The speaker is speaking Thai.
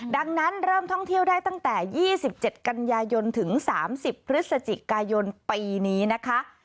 ดังนั้นเริ่มท่องเที่ยวได้ตั้งแต่๒๗กันยายนถึง๓๐พฤศจิกายนปีนี้นะคะ